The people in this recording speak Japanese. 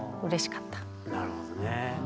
なるほどねえ。